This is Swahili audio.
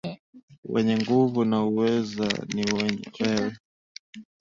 Mwenye nguvu na uweza ni wewe.